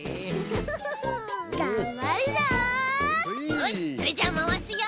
よしそれじゃあまわすよ。